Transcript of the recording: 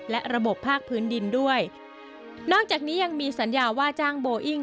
และระบบภาคพื้นดินด้วยนอกจากนี้ยังมีสัญญาว่าจ้างโบอิ้ง